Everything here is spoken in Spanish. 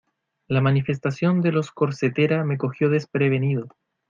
La manifestación de los corsetera me cogió desprevenido.